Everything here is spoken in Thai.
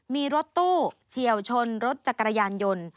มีรถตู้เฉียวชนรถจักรยานยนต์